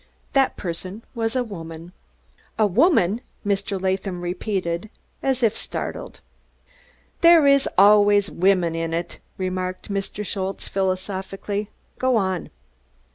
That person was a woman!" "A woman!" Mr. Latham repeated, as if startled. "Dere iss alvays wimmins in id," remarked Mr. Schultze philosophically. "Go on."